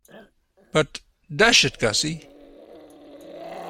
But, dash it, Gussie.